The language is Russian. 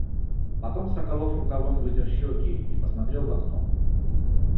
Потом Соколов рукавом вытер щеки и посмотрел в окно,